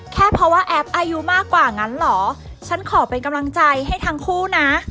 แค่เพราะว่าแอฟอายุมากกว่างั้นเหรอฉันขอเป็นกำลังใจให้ทั้งคู่นะ